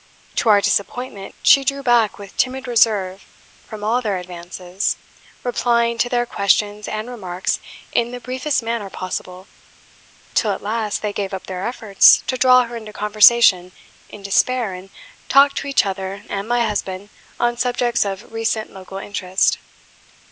To our disappointment she drew back with timid reserve from all their advances, replying to their questions and remarks in the briefest manner possible; till at last they gave up their efforts to draw her into conversation in despair, and talked to each other and my husband on subjects of recent local interest.